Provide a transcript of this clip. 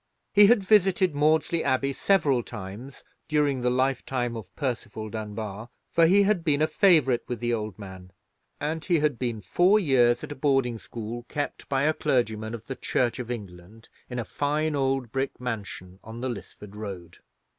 He had visited Maudesley Abbey several times during the lifetime of Percival Dunbar, for he had been a favourite with the old man; and he had been four years at a boarding school kept by a clergyman of the Church of England in a fine old brick mansion on the Lisford Road.